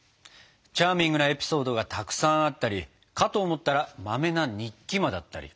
チャーミングなエピソードがたくさんあったりかと思ったらまめな日記魔だったり。